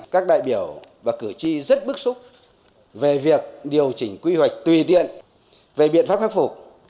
các đại biểu và cử tri rất bức xúc về việc điều chỉnh quy hoạch tùy tiện về biện pháp khắc phục